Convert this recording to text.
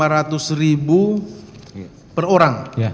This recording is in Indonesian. lima ratus ribu per orang